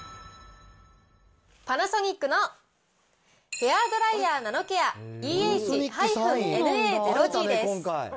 パナソニックのヘアードライヤーナノケアＥＨーＮＡ０Ｇです